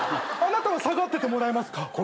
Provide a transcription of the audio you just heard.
あなたは下がっててもらえますか。